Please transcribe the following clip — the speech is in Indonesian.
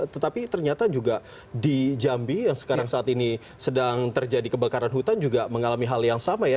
tetapi ternyata juga di jambi yang sekarang saat ini sedang terjadi kebakaran hutan juga mengalami hal yang sama ya